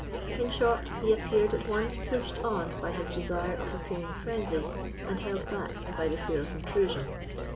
In short, he appeared at once pushed on by his desire of appearing friendly, and held back by the fear of intrusion.